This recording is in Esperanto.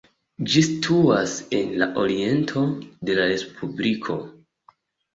Ĝi situas en la oriento de la respubliko.